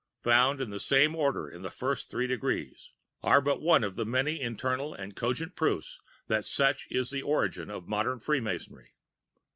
found in the same order in the first three Degrees, are but one of the many internal and cogent proofs that such was the origin of modern Free Masonry.